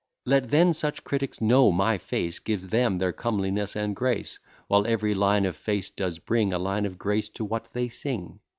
Let then such critics know, my face Gives them their comeliness and grace: While every line of face does bring A line of grace to what they sing.